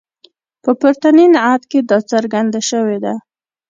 په پورتني نعت کې دا څرګنده شوې ده.